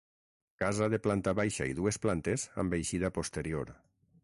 Casa de planta baixa i dues plantes, amb eixida posterior.